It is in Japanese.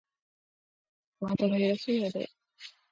おあとがよろしいようで